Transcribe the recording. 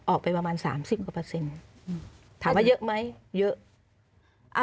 ออกไปประมาณ๓๐ถามว่าเยอะไหมเยอะ